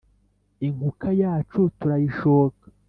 Inkuka yacu turayishoka